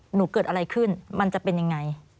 เกิดอะไรขึ้นมันจะเป็นยังไง